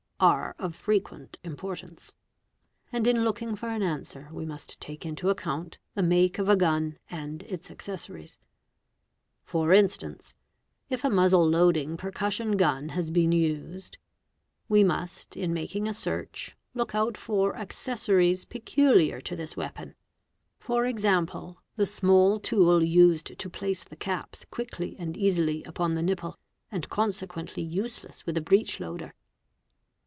are of frequent importance; and in looking for an answer we must take into account the make of a gun and its accessories. For instance, if a muzzle loading percussion gun has ~ been used, we must in making a search look out for accessories peculiar to this weapon, @é.g., the small tool used to place the caps quickly and "easily upon the nipple, and consequently useless with a breech loader.